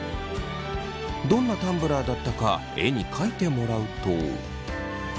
どんなタンブラーだったか絵に描いてもらうと。